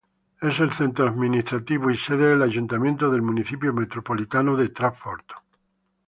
Es el centro administrativo y sede del ayuntamiento del Municipio metropolitano de Trafford.